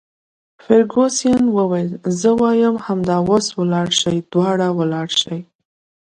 فرګوسن وویل: زه وایم همدا اوس ولاړ شئ، دواړه ولاړ شئ.